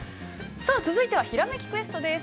◆さあ、続いては「ひらめきクエスト」です。